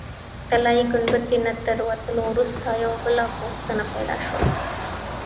طلایي ګنبدې نه تر وتلو وروسته یوه بله پوښتنه پیدا شوه.